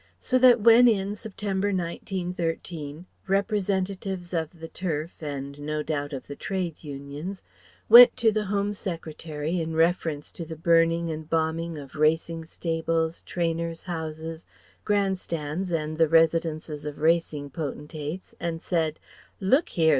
So that when in September, 1913, representatives of the Turf (and no doubt of the Trade Unions) went to the Home Secretary in reference to the burning and bombing of racing stables, trainers' houses, Grand Stands and the residences of racing potentates, and said "Look here!